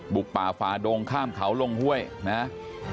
ป่าฝ่าดงข้ามเขาลงห้วยนะครับ